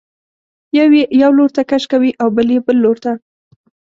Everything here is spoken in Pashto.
یو یې یو لورته کش کوي او بل یې بل لورته.